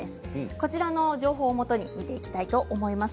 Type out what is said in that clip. こちらの情報をもとに見ていきたいと思います。